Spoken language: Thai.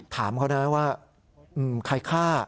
ถามเขานะว่าใครฆ่า